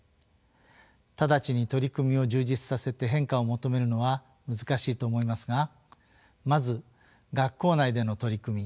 直ちに取り組みを充実させて変化を求めるのは難しいと思いますがまず学校内での取り組み